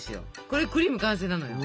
これクリーム完成なのよ。